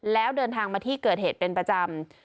แล้วเดินทางมาที่เกิดเหตุเป็นประจำ